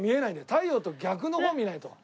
太陽と逆の方を見ないと。